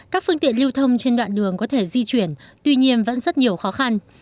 các phương tiện lưu thông trên đoạn đường có thể di chuyển tuy nhiên vẫn rất nhiều khó khăn